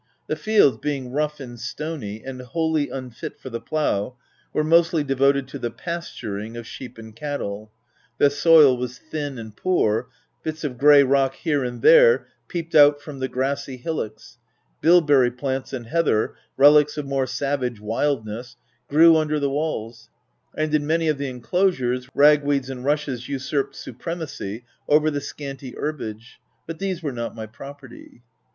The fields, being rough and stony and wholly unfit for the plough, were mostly devoted to the pasturing of sheep and cattle ; the soil was thin and poor : bits of grey rock here and there peeped out from the grassy hillocks ; bilberry plants and heather — relics of more savage wildness, — grew under the walls ; and in many of the enclosures, ragweeds and rushes usurped supremacy over OP WILDPELL HALL. 31 the scanty herbage ;— but these were net my property.